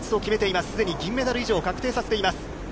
すでに銀メダル以上を確定させています。